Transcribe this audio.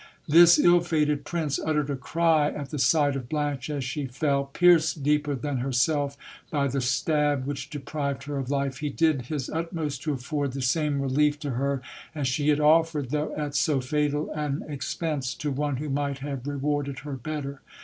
This ill fated prince uttered a cry at the sight of Blanche as she fell. Pierced deeper than herself by the stab which deprived her of life, he did his utmost to afford the same relief to her as she had offered, though at so fatal an expense, to one who might have rewarded her better.